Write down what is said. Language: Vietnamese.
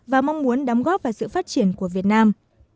và mong muốn đóng góp vào sự phát triển của việt nam